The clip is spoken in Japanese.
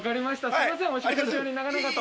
すみませんお仕事中に長々と。